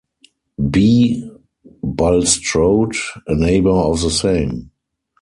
B. Bulstrode, a neighbour of the same.